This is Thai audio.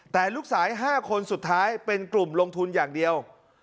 แต่ลูกสาย๕คนสุดท้ายเป็นกลุ่มลงทุนอย่างเดียว